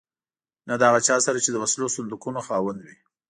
نه د هغه چا سره چې د وسلو صندوقونو خاوند وي.